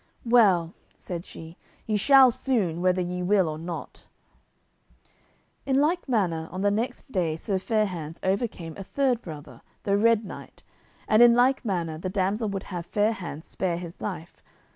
"Well," said she, "ye shall soon, whether ye will or not." In like manner on the next day Sir Fair hands overcame a third brother, the Red Knight, and in like manner the damsel would have Fair hands spare his life.